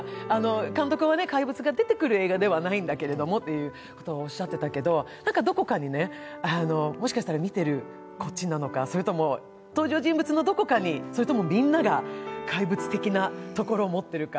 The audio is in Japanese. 監督は怪物が出てくる映画ではないんだけれどとおっしゃってたけど、どこかにね、もしかしたら見てるのか、こっちなのか、それとも登場人物のどこかに、それともみんなが怪物的なところを持ってるか。